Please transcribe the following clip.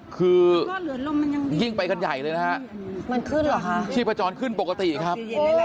คือยิ่งไปกันใหญ่เลยนะครับชีพจรขึ้นปกติครับ